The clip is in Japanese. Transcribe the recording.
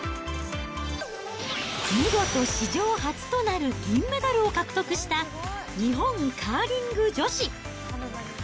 見事史上初となる銀メダルを獲得した、日本カーリング女子。